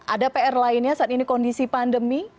ada pr lainnya saat ini kondisi pandemi